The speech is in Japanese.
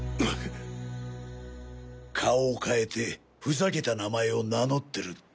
顔をかえてふざけた名前を名乗ってるって。